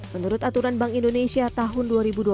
menurut aturan bank indonesia tahun dua ribu dua puluh